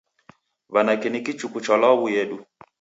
W'anake ni kichuku cha law'u yedu.